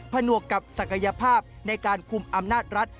หนวกกับศักยภาพในการคุมอำนาจรัฐ